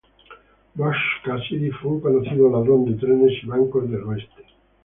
Butch Cassidy fue un conocido ladrón de trenes y bancos del Oeste.